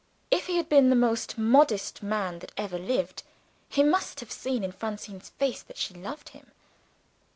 If he had been the most modest man that ever lived, he must have seen in Francine's face that she loved him.